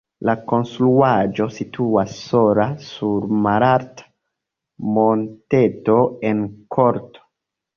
La konstruaĵo situas sola sur malalta monteto en korto.